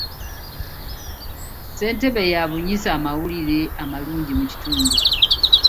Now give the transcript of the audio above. Ssentebe yabunyisa amawulire amalungi mu kitundu.